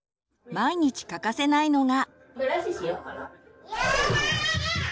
毎日欠かせないのが。